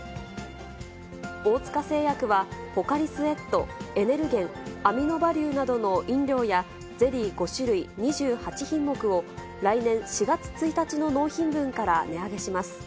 大塚製薬は、ポカリスエット、エネルゲン、アミノバリューなどの飲料や、ゼリー５種類２８品目を、来年４月１日の納品分から値上げします。